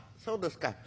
「そうですか。